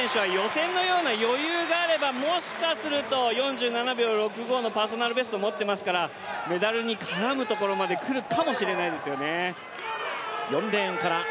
ロサー選手は予選のような余裕があればもしかすると４７秒６５のパーソナルベストを持っていますからメダルに絡むところに来るかもしれないですね。